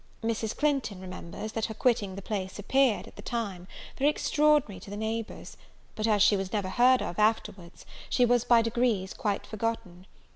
Mrs. Clinton remembers, that her quitting the place appeared, at the time, very extraordinary to the neighbours; but, as she was never heard of afterwards, she was by degrees quite forgotten.